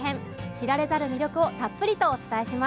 知られざる魅力をたっぷりとお伝えします。